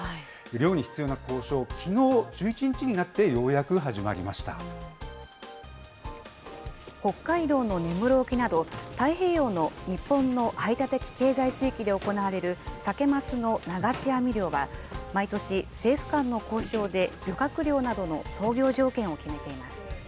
漁に必要な交渉、きのう、１１日北海道の根室沖など、太平洋の日本の排他的経済水域で行われるサケマスの流し網漁は毎年、政府間の交渉で漁獲量などの操業条件を決めています。